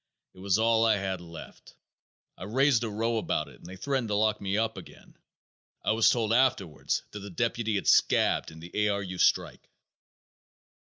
It was all I had left. I raised a row about it and they threatened to lock me up again. I was told afterwards that the deputy had scabbed in the A. R. U. strike."